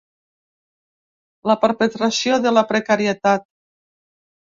La perpetració de la precarietat.